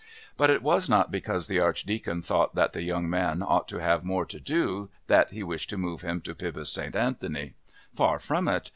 But it was not because the Archdeacon thought that the young man ought to have more to do that he wished to move him to Pybus St. Anthony. Far from it!